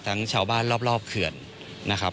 ทั้งชาวบ้านรอบเคือนนะครับ